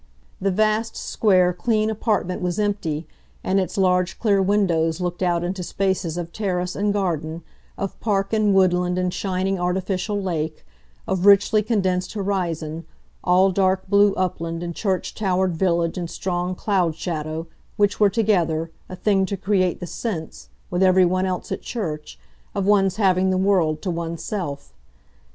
The vast, square, clean apartment was empty, and its large clear windows looked out into spaces of terrace and garden, of park and woodland and shining artificial lake, of richly condensed horizon, all dark blue upland and church towered village and strong cloudshadow, which were, together, a thing to create the sense, with everyone else at church, of one's having the world to one's self.